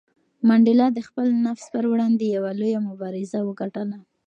منډېلا د خپل نفس پر وړاندې یوه لویه مبارزه وګټله.